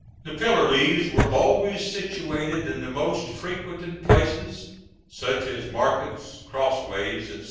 The pillories were always situated in the most frequented places, such as markets, crossways, &c.